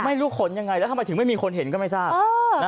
ขนยังไงแล้วทำไมถึงไม่มีคนเห็นก็ไม่ทราบ